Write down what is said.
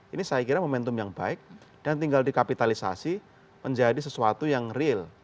ini saya kira momentum yang baik dan tinggal dikapitalisasi menjadi sesuatu yang real